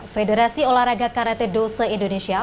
federasi olahraga karate dose indonesia